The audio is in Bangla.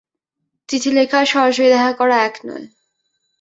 চিঠি লেখা আর সরাসরি দেখা করা এক নয়।